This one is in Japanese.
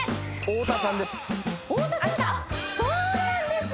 大田さんです